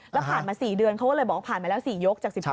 แล้วผ่านมา๔เดือนเขาก็เลยบอกว่าผ่านมาแล้ว๔ยกจาก๑๒